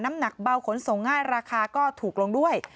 น้ำหนักเบาขนส่งง่ายราคาก็ถูกลงด้วย